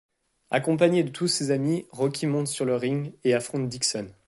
Accompagné de tous ses amis, Rocky monte sur le ring et affronte Dixon.